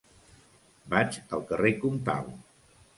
Vaig al carrer Comtal.